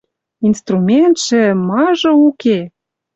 Инструментшӹ — мажы уке!